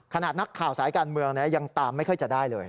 ขนาดนักข่าวสายการเมืองเนี่ยยังตามไม่เคยจะได้เลย